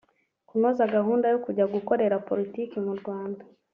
Kunoza gahunda yo kujya gukorera politiki mu Rwanda